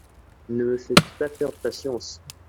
Ne me faites pas perdre patience.